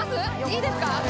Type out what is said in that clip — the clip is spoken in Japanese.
いいですか？